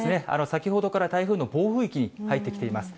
先ほどから台風の暴風域に入ってきています。